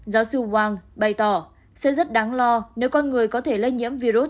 giáo sư wang bày tỏ sẽ rất đáng lo nếu con người có thể lây nhiễm virus